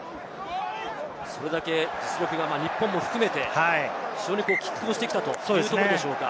それだけ実力が日本も含めて非常に拮抗してきたというところでしょうか。